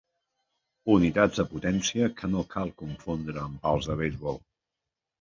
Unitats de potència que no cal confondre amb pals de beisbol.